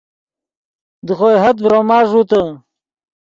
دے خوئے حد ڤروما ݱوتے